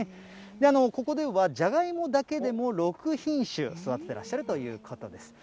ここではじゃがいもだけでも６品種育ててらっしゃるということです。